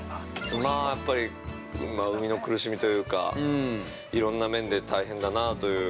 ◆まあ、やっぱり生みの苦しみというか、いろんな面で大変だなあという。